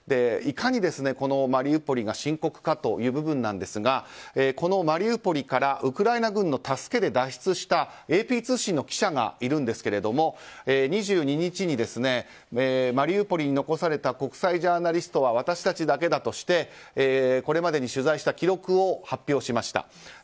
いかに、マリウポリが深刻化という部分ですがこのマリウポリからウクライナ軍の助けで脱出したＡＰ通信の記者がいるんですが２２日にマリウポリに残された国際ジャーナリストは私たちだけだとしてこれまでに取材した記録を発表しました。